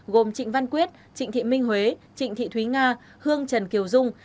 gồm trịnh văn quyết trịnh thị minh huế trịnh thị thúy nga hương trần kiều dung